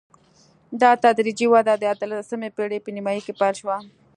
دا تدریجي وده د اتلسمې پېړۍ په نیمايي کې پیل شوه.